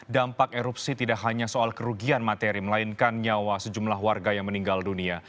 dampak erupsi tidak hanya soal kerugian materi melainkan nyawa sejumlah warga yang meninggal dunia